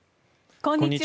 こんにちは。